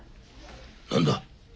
何だ？